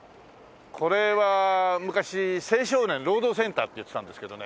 これは昔青少年労働センターって言ってたんですけどね。